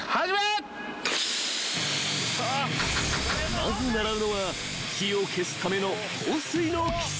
［まず習うのは火を消すための放水の基礎］